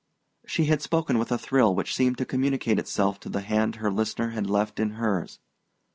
She had spoken with a thrill which seemed to communicate itself to the hand her listener had left in hers.